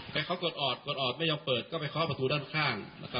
แต่เขากดออดกดออดไม่ยอมเปิดก็ไปเคาะประตูด้านข้าง